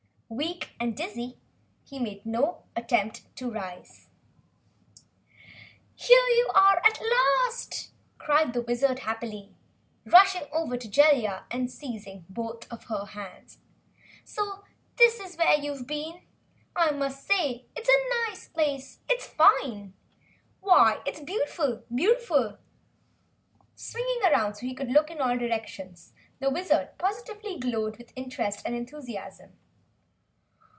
Weak and dizzy, he made no attempt to rise. "Here you are at last!" cried the Wizard happily, rushing over to Jellia and seizing both of her hands. "So THIS is where you've been! Well I must say it's a fine place. Why it's beautiful, beautiful!" Swinging round so he could look in all directions, the Wizard positively glowed with interest and enthusiasm.